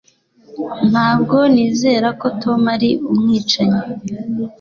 Ntabwo nizera ko Tom ari umwicanyi